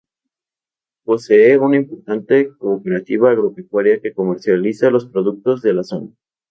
Posee una importante cooperativa agropecuaria que comercializa los productos de la zona.